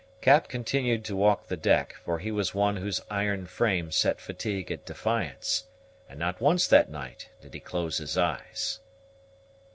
Cap continued to walk the deck, for he was one whose iron frame set fatigue at defiance, and not once that night did he close his eyes.